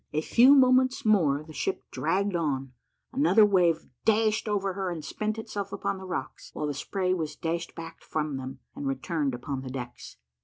A few moments more the ship dragged on, another wave dashed over her and spent itself upon the rocks, while the spray was dashed back from them, and returned upon the decks.